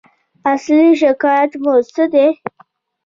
اصلي شکایت مو څه دی؟